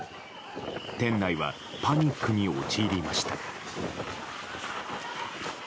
店内はパニックに陥りました。